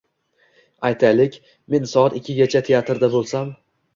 Aytaylik, men soat ikkigacha teatrda bo‘lsam.